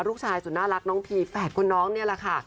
ลูกชายสุดน่ารักน้องทีแฝดคนน้องนี่แหละค่ะ